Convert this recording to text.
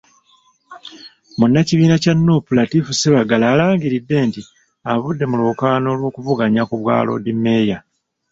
Munnakibiina kya Nuupu, Latif Ssebaggala alangiridde nti, avudde mu lwokaano lw'okuvuganya ku bwa Loodimmeeya.